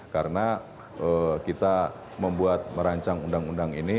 karena kita membuat merancang undang undang ini